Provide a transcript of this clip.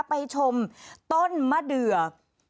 ไปชมต้นมะเดือ